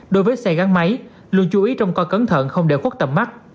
đối với xe gắn máy luôn chú ý trong co cẩn thận không để khuất tầm mắt